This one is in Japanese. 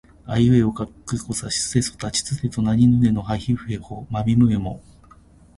あいうえおかきくけこさしすせそたちつてとなにぬねのはひふへほまみむめも